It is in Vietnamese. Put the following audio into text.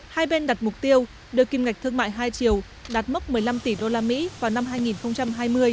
kim đạt mục tiêu đưa kim ngạch thương mại hai chiều đạt mức một mươi năm tỷ usd vào năm hai nghìn hai mươi